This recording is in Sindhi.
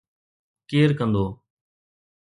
ڪير ڪندو؟